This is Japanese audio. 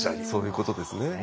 そういうことですね。